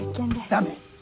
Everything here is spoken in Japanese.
ダメ！